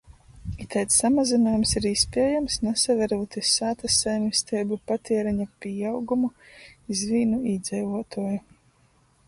Itaids samazynuojums ir īspiejams, nasaverūt iz sātys saimisteibu patiereņa pīaugumu iz vīnu īdzeivuotuoju.